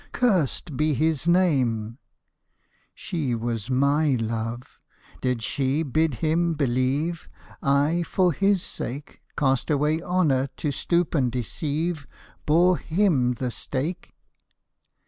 Cursed be his name ! She was my love : did she bid him believe I for his sake Cast away honour to stoop and deceive, Bore him the stake